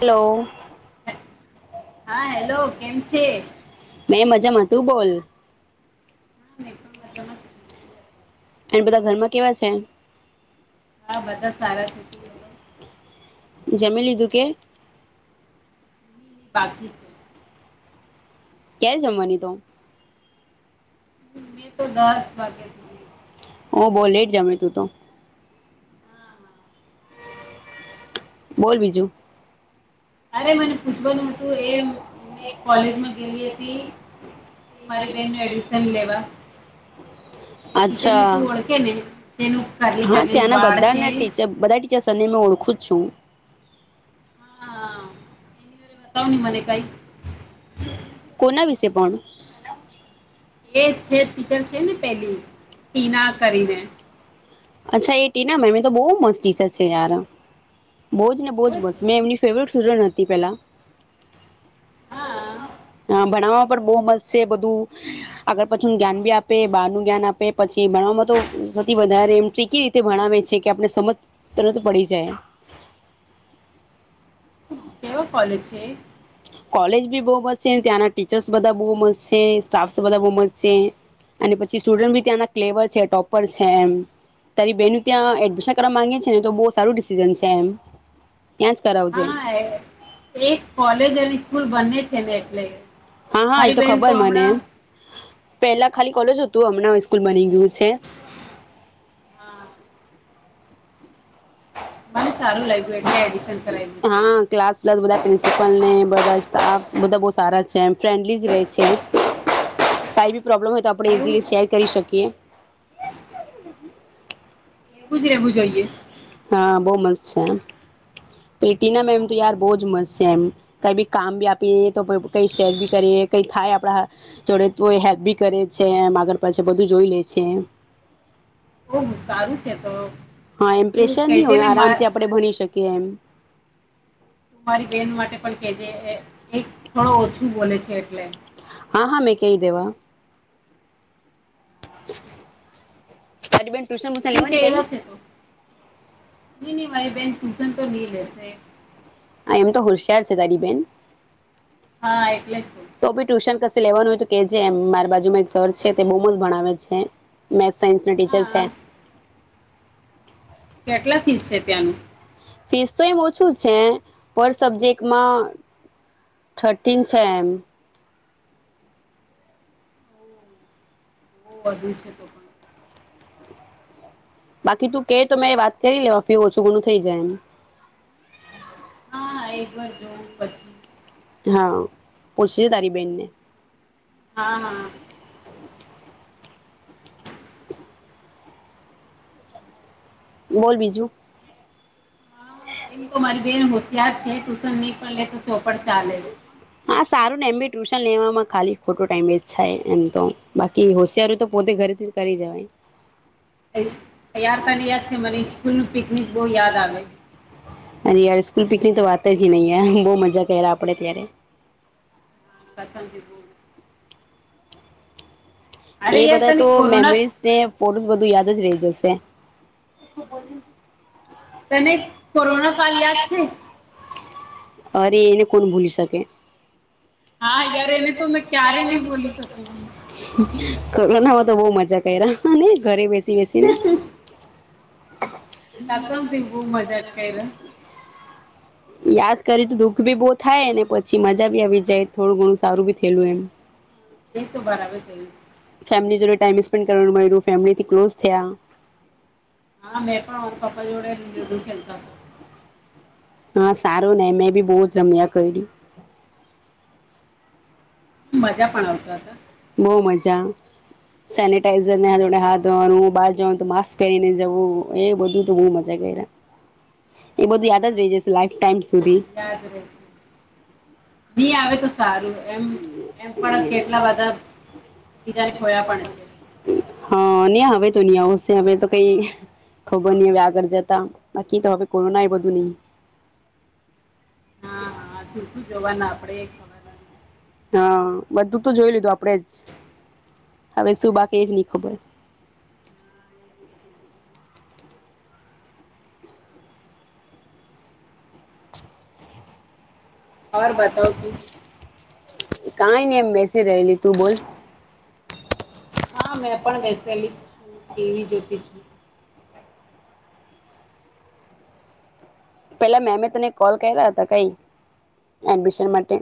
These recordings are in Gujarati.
હેલો હા હેલો કેમ છે? મેં મજામાં તું બોલ [inaudible] અને બધા ઘરમાં કેવા છે? હા બધા સારા છે. જમી લીધું કે બાકી છે. ક્યાં જમવાની તો મેં તો દસ વાગ્યા સુધી. હ બહુ લેટ જમી તું તો હા હા બોલ બીજું? અરે મને પૂછવાનું હતું એ મેં કોલેજમાં ગયેલી હતી એ મારી બેનનું એડમિશન લેવા એ ટીચરને અચ્છા તું ઓળખે ને જેનું કરલી હા કરલી ત્યાંના વાળ છે હા બધાને ટીચર બા ટીરને ઓખું છું હા કયોને મને કાંઈક કોના વિ જે પણણ એ છે જ છે ને પહેલી ના કરીને અચ્છા એ ટીના મેમે એતો બહુ મસ્ત ટીચર છે યાર. બહજ ને બહુવજ કેવું મસ્ત છે મેં એમની ફેવરિટ સુરણ હતી પેલા હા ભણવામાં પણ બહુ મસ્ત છે બધું આગળ પછી જ્ઞાન બી આપે બાર નું જ્ઞાન આપે પછી ભણવામાં તો સૌથી વધારે એવી રીતે ભણાવે છે કે આપને સમજ તરત પડી જાય. કેવા કોલેજ છે કોલેજ બી બહુ મસ્ત છે ત્યાંના ટીચર્સ બધા બહ મસ્ત છે. સ્ટાફ બધા બહુ મસ્ત છે અને પછી સ્ટુડન્ટ બી ત્યાંના ક્લેવર છે. ટોપર છે એમ તારી બેન ત્યાં એડમિશન કરવા માંગે છે મ. ને તો બહ સારું ડિસિઝન છે એમ ત્યાં કરાવજે હા એક કોલે હજી તો એની સ્કૂલ ભણે છે ને એટલે મારી બેહેન તો હમણાં પેલા ખાલી કોલેજ હતું હમણાં સ્કૂલ બની ગયું. છે. હા [inaudible] એટલે એડિશન કરાવ્યું છે હા ક્લાસ પ્લસ બધા પ્રિન્સિપલને બધા આપ બધા બહ સારા છે એમ ફ્રેન્ડલી જ રહે છે કઈ બી પ્રોબ્લેમ આપણે એવું ઇઝીલી શેર કરી શકીશું. [inaudible] એવું જ રહેવું જોઈએ. હા બહ મસ્ત છે. એમ પેટીના એમ તો ય બહજ મસ્ત છે એમ કઈ બી કામ બી આપીએ તો કઈ શેર ભી કરીએ કઈ થાય આપડા જોડે તો હેલ્પ ભી કરે છે એ આગળ પછ બધું જોઈ લે છે એમ. બ સારું છે તો હા એમ તું પ્રેશર નહીં કહેજે હોય ને મા આરામથી આપણે ભણી શકીએ એમ ત મારી બેન માટે પણ કેજે એક થોડો ઓછું બોલે છે એટલે હા હા મે કઈ દેવા તરી બેન ટસ સ્કૂલ લેવાની કઈ નહી ન મારી બહેન ટૂશન તો નહી લેશે હા એમ તો હોશિયાર છે તારીબેન હા એટલે જ તો બી ટ્યુશન ક લેવાનુંય કે જે મારી બાજુમાં એક સર છે તે બહુ મ જ ભણાવે છે સાયન્સ ન ટીચર હા છે કેટલા ફીસ છે ત્યાંનું ફીસ તો એમ ઓછું છે પર સબ્જેક્ટમાં થર્ટીન છે એમ બ વધુ છે તો પણ બાકી તું કે તો મેં વાત કરી લેવા ફી ઓછું ઘુણું થઈ જાય એમ હાા એક વાર જોવું પછી એમ હા પછી તારીબનને હા હા બોલ બીજું હા એમ તો મારી બે હોશિયત છે કુશન ની પલે ચોપડ ચાલે હા સારું ને એમ બી ટ્યુશન લેવામાં ખાલી ખોટો ટાઈમ વેચાય એમ તો બાકી હોશિયારી તો પોતે ઘરેથી કરી જવાય યાર ત યાદ છે મને સ્કૂલ ન પિકનિક બહુ યાદ આવે અ યાર સ્કૂલ પિકનિક તો વાત હ જ નહીૈ બહુ મજા કરે્યા આપ આપણે ત્યારે હ પસંદીું એ અરે યાર બધા તને તો કોરોના મેમરીઝ ને ફોટોસ બધું યાદ જ રહી જશે હું બો તને કોરોના કાલ યાદ છે અરે એને કોણ ભૂલી શકે હા યાર એને તો મેં ક્યારે ન બોલી શકું કરનામાં તો બહ મજા કર અને ઘરે બેસી સ બેસીને. ખૂબ મજા ક એ ર યાદ કરી તો દુઃખ ભી બહુ થાય ને પછી મજા ભી આવી જાય થોડું ઘણું સારું બી થયેલું એમ. એ તો બારવે ફેમિલી જ ટાઈમ સ્પેન્ડ કરવાનું મળ્યું ફેમિલી થી ક્લોઝ થયા. હા મેં પણ પપ્પા જોડે લુડુ ખેલતા હતા. હા સારો ને મેં બી બહુ જ રમ્યા કર્યું. મજા પણ આવતો. બહ મજા સેનટાઈઝરને હાથ ધોવાનું બાર જવાનું તો માસ્ક પહેરીને જવું એ બધું તો બ મજા કર એ બધું યાદ જ રહી જશે લ ટાઈમ સુધી ી આવે તો સારું. એમ એમ પણ કેટલા બધા બીજાને ખોયા પણ છે. હા ને હવે તો નહી આવશે હવે તો કઈ ખબર ન હવે આગળ જતા બાકી તો હવે કોરોના એ બધું નહી હા હા. જોવાના આપડે એ ખવાર હા બધું તો જોઈ લીધું આપડે જ હવે શું બાકી જ નહી ખબર ખબર ઓર બતાવ તુ કઈ નને એમ બેસી રહેલી તું બોલ હા મેં પણ બેસેલી જ છું ટીવી જોતીતી. પેલા મેમે તને કોલ કર્યા હતા કઈ એડમિશન માટે?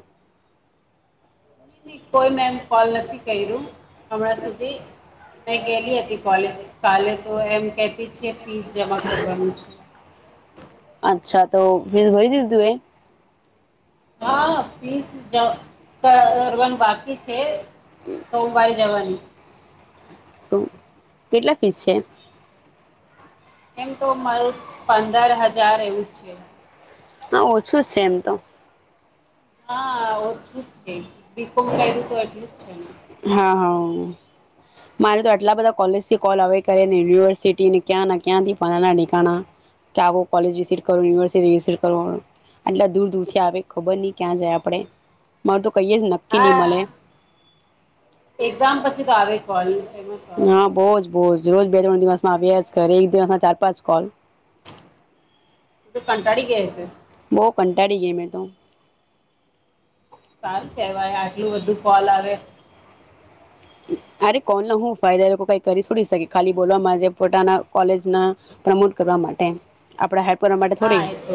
નહીં કોઈ મેમ કોલ નથી કર્યું હમણાં સુધી મેં ગેલી હતી કોલેજ કાલે તો એમ કહેતી છે ફીસ જમા કરવાનું છે. અચ્છા તો ફિર ભરી દીધું તે એ? હા ફીઝ જ ભરવાનું બાકી છે. સોમવારે જવાની શુ. કેટલા ફીસ છે? એમ તો મારું પંદર હજાર એવું છે. હા ઓછું છે એમ તો. હા ઓછૂ જ છે. બીકોમ કયરું તો એટલું જ છે ને. હા હા મારે તો આટલા બધા કોલેજથી કોલ આવે કરેને યુનિવર્સિટીને ક્યાં ક્યાંથી ફલાણા ઢીંકાના ક્યાં હો કોલેજ વિઝીટ કરવી યુનિવર્સિટી વિઝીટ કરવી આટલા દૂર દૂરથી આવે ખબર નહી ક્યાં જાય આપડે માર તો કઈય કિની હા મલે. એક્ઝામ પછી તો આવે કોલેમ આવે હા બહુ જ બહુ રોજ બે ત્રણ દિવસમાં આવ્યા જ કરે એક દિવસમાં ચાર પાંચ કોલ તું કંટાળી ગય હશે. કંટાડી ગયે મેં તો. સાર કે આટલું બધું ફલ આવે. અરે કોલ ના હું ફાયદા એ લોકો કઈ કરી છોડી શકે ખાલી બોલવા માટે પોતાના કોલેજ ના પ્રમોટ કરવા માટે આપડા હેપ કરવા માટે હા થોડી એ તો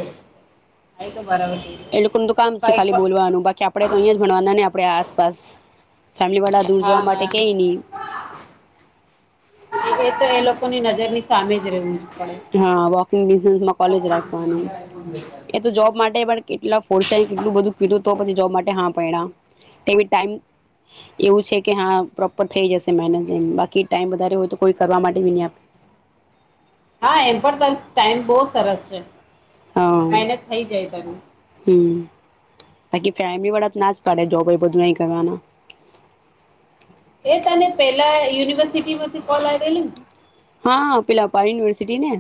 હા એ તો બરાબર છે એ લોકોનું તો કામ છે કઈક ખાલી બોલવાનું બાકી આપણેે તો અહીયા જ ભણવાના ને આપડે આસપાસ. ફેમિલી વાળા દૂર હા જવા માટે હા એ તો એ લોકોની નજરની સામે જ રહેવું જ પડે [inaudible] પરિણામ તેવી ટાઈમ એવું છે કે હા પ્રોપર થઈ જશે મેનેજ એન્ડ બાકી ટાઈમ વધારે હોય તો કોઈ કરવા માટે નહી આપ હા એમ પણ ત ટાઈમ બહુ સરસ છે હા મહેનત થઇ જાય તમે હમ બાકી ફેમિલી વાળા ના જ પડે જોબ એ બધું નહી કરવાના એ તને પેલા યુનિવર્સિટીમાંથી કોલ આવેલું હા પિલા પ યુનિવર્સિટી ને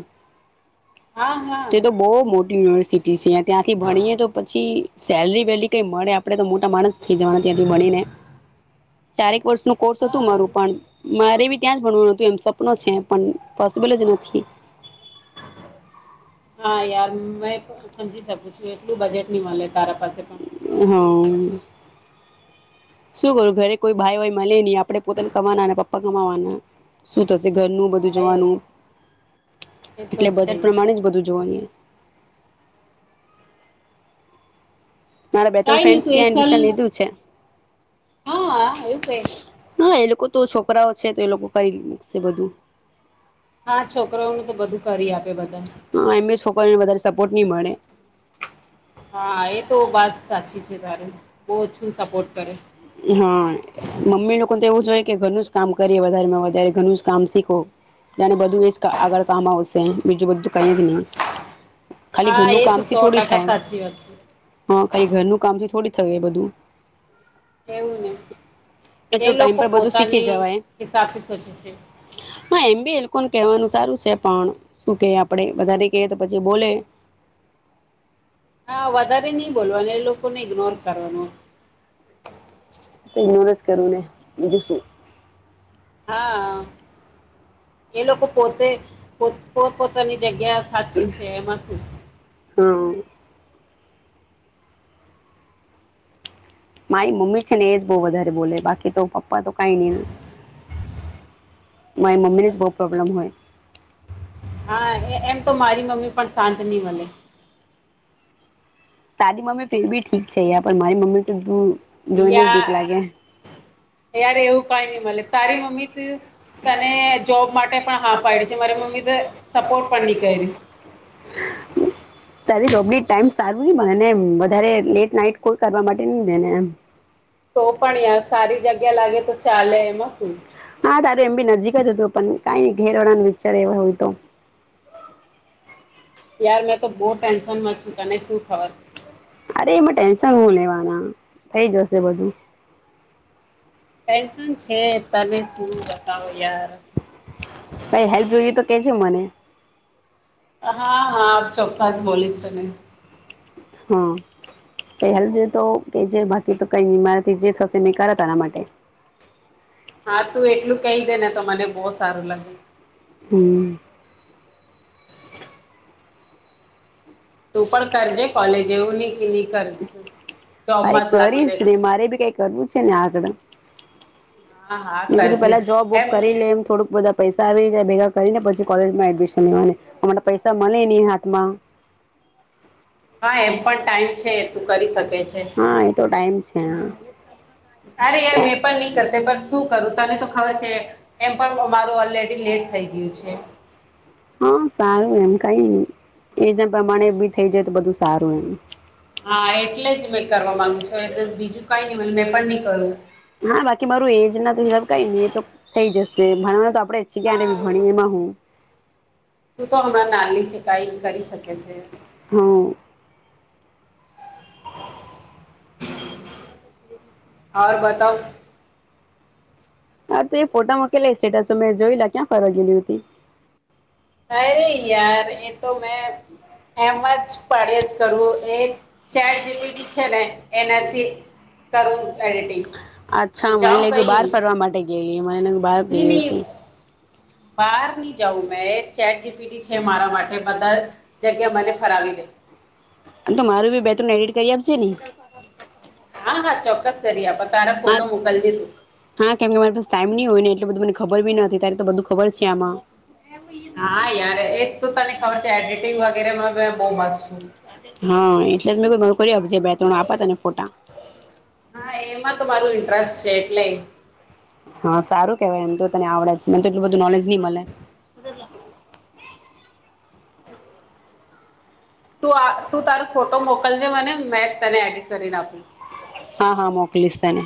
હા હા તે તો બહુ મોટું યુનિવર્સિટી છે ત્યાંથી ભણીએ તો પછી સેલરી વેરી કઈ મળે આપડણે તો મોટા માણસ થઇ જવાના ત્યાંથી મળી ને ચારેક વર્ષ નું કોર્સ હતું હા મારું પણ મારે ત્યાં ભવાનું હતું એમ સપ્નું છે પણ પોસિબલ જ નથી ં સમજી શકું છું એટલું બજેટ ની મળ હમ શું કરું ઘરે કોઈ ભાઈ ભાઈ મળે નહી આપડણે પોતાને કમાના પપ્પા કમાવાના શું થશે ઘરનું બધું હા એ જોવાનું એ તો એટલે બધ છે જ પ્રમાણે જ બધું જોવાનું મારા બે ત્રણ કઈ નહી ફ્રેન્ડસ તું એક ત્યાં સાલ એડમિશન લીધું છે હા એવું જાય હા એ લોકો તો છોકરાઓ છે તો એ લોકો કરીકશે બધું હા છોકરોઓનું તો બધું કરી આપે બધા હા એમને વધારે સપોર્ટ નહી મળે હા એ તો બસ સાક્ષી સધારે બહ છું સપોર્ટ કરે હા મમ્મી લોકો તો એવું જ હોય કે ઘરનું જ કામ કરીએ વધારે વધારે ઘરનું જ કામ શીખો અનેને બધું એ આગળ કામ આવશે બીજું બધું કઈ જ નહી ખાલી હા ઘરનું એ કામ તો સો થી થોડી ટકા થાય સાચી વાત હા ખાલી ઘરનું કામથી થોડી થવે બધું એવું ને એ તો ટાઈમ લોકો પર બધું શીખી પોતાની જવાય હિસાબથી સોચે છે હા એમ બી એ લોકોને કહેવાનું સારું છે પણ શું કે આપડે વધારે કએ તો પછી બોલે હા વધારે નહી બોલવાનું એ લોકો કો એકગ્નોર કરડનું તો ઇન જ કરું ને બીજું શું હા એ લોકો પોતે પોત પોતાની જગ્યા સાચી છે એમાં શું હમ મારી મમ્મી છે ને એજ બહ વધારે બોલે બાકી તો પપ્પા તો કઈ નહી મા મમ્મને જ બહુ પ્રબ્લેમ હોય હા એમ તો મારી મમ્મી પણ શાંત નહી બને તાારી મમ્મી ફેરી ઠીક છે યાર પણ મારી મમ્મી તો જોઈને જ યા બીખ લાગે યાર એવું કઈ નહી મળે તારી મમ્મી તને જોબ માટે પણ હા પાડી છે મારી મમ્મી તો સપોર્ટ પણ નહી કર્યું તારી ટાઈમ સારું ન બને ને એ વધારે લેટ નાઈટ કોઈ કરવા માટે ન દેને એમ તો ભણ્યા સારી જગ્યા લાગે તો ચાલે એમાં શું હા તારું એમ બી નજીક જ હતું પણ કઈ ઘેરવડાને વિચાર એવા હોય તો યાર મેં તો બહુ ટેન્શન માં છું તને શું ખબર અરે એમાં ટેન્શન હું લેવાના થઈ જશે બધું પન્શન હે તલીસું બતાાવ યાર કઈ હેલ્પ જોઈએ તો કેજે મને હા હા ચોક્્ખસ બોલીશ તને હા પહેલ જોય તો કે જે બાકી તો કઈ બીમાર જે થશે નહી કરા તના માટે હા તું એટલું કહી દે ને તો મને બહુ સારું લાગે હમ તું પણ કરજે કોલેજ એવું નહી ન અરે કરીશ રે રહેશે મારે ભી કઈ કરવું છે ને આગળ હા હા મેધું કરજે પેલા જોબ વોબ એમ કરી લે એમ થોડુંક બધા પૈસા આવી જાય ભેગા કરીને પછી કોલે એડમિશન લેવા અમા પૈસા મળે નહી હાથમાં હા એમ પણ ટાઈમ છે તકાર સાથે હા એ તો ટાઈમ છે અરે યાર હા મેં પણ નહી કરશે પણ શું કરું તને તો ખબર છે એમ પણ મારું ઓલરેડી લેટ થઈ ગયું છે હા સારું એમ કઈ એ પ્રમાણે બી થઈ જાય તો બધું સારું એમ હા એટલે જ મેં કરવા માંગુશું એ બીજું કઈ મેં પણ ન કરું હા બાકી મારું એજ ના તો હિસાબ કઈ નહી એ તો થઈ જશે ભણ તો આપડે છેી કનેી હા ભણી એમાં હું તું તો હમણાં ના છે કઈ કરી શકે છે હા આવ બતાવ હાર તું એ ફોટા મોકેલા સ્ટેટસ મેં જોય લ ક્યાં ફર ગેલી હતી હ ર યાર એ તો મેં એમ જ પાડ્યા જ કરવું એ ચાર જેબીડી છે ને એનાથી કરો અચ્છા મને લ બહાર ફરવા માટે ગયલી મને બહાર ગયલી હતી બાર ની જવં મેં ચેટ જીપી છે મારા માટે બધા જગ્યા મને ફરાવી દે તો મારું બી બેટન એડિટ કરી આપશે ને હા હા ચોક્કસ કરી આપ તારા હા ફોટો મોકલજે તું હા કેમ કે મારી પાસે ટાઈમ નહી હોય ને એટલે બધું મને ખબર બી નથી ત્યારે તો બધું ખબર છે આમાં હા યાર એક તો તને ખબર છે એડિટ વા ગેરે બ મસ્ત છ હા એટલે જ મેં કો કરી આપજ બે ત્રણ આપા તને ફોટા હા એમાં તો મારું ઇન્ટરેસ્ટ છે એટલે હા સારું કેવાય એમ તો તને આવડે જ મને તો એટલું બધું નોલેજ નહી મળે હ તું તું તારો ફોટો મોકલજે મને મે તને એડિટ કરી નાખું હા હા મોકલીશ તને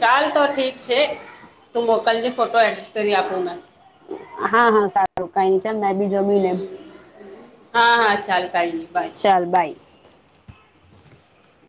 ચાલ તો ઠીક છે તું મોકલજે ફોટો એડિટ કરી આપું મે હા હા સારું કઈ છેને બીજ બી હમ હા હા ચાલ કાંઈ નહીં બાય ચાલ બાય